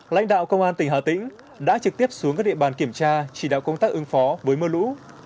lãnh đạo công an tỉnh hà tĩnh đã trực tiếp xuống các địa bàn kiểm tra chỉ đạo công tác ứng phó với mưa lũ